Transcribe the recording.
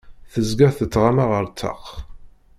Tezga tettɣama ar ṭṭaq.